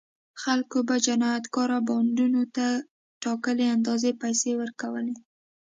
خلکو به جنایتکاره بانډونو ته ټاکلې اندازه پیسې ورکولې.